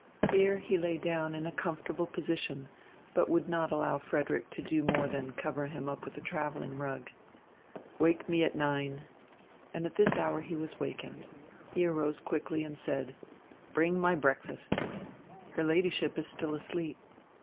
Here he lay down in a comfortable position, but would not allow Frederick to do more than cover him up with a traveling rug. "Wake me at nine." And at this hour he was wakened. He arose quickly and said: "Bring my breakfast." "Her Ladyship is still asleep."